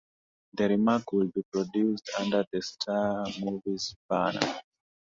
The remake would be produced under the Staar Movies banner.